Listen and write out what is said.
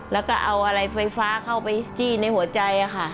แล้วก็เอาอะไรไฟฟ้าเข้าไปจี้ในหัวใจค่ะ